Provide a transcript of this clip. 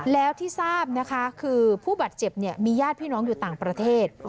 แล้วที่ทราบนะคะคือผู้บาดเจ็บมีญาติพี่น้องอยู่ต่างประเทศ